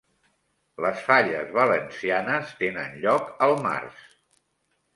Les falles valencianes tenen lloc al març